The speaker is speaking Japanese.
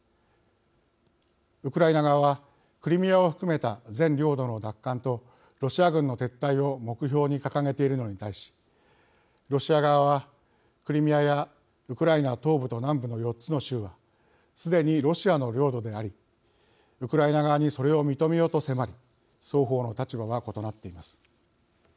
ウクライナ側はクリミアを含めた全領土の奪還とロシア軍の撤退を目標に掲げているのに対しロシア側は、クリミアやウクライナ東部と南部の４つの州はすでにロシアの領土でありウクライナ側にそれを認めよと迫り双方の立場は異なっています。